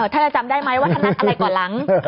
ท่านจะจำได้ไหมว่าท่านนัดอะไรก่อนหลัง